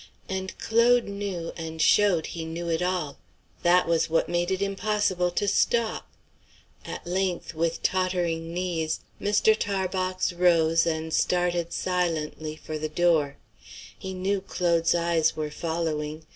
And Claude knew, and showed he knew it all; that was what made it impossible to stop. At length, with tottering knees, Mr. Tarbox rose and started silently for the door. He knew Claude's eyes were following.